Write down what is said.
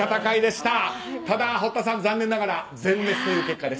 ただ、堀田さん残念ながら全滅という結果です。